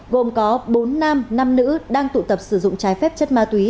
gồm có bốn nam năm nữ đang tụ tập sử dụng trái phép chất ma túy